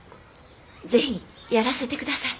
是非やらせて下さい。